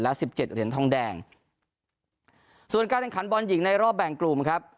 สิบเจ็ดเหรียญทองแดงส่วนการแข่งขันบอลหญิงในรอบแบ่งกลุ่มครับ